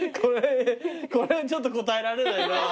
これはちょっと答えられないな。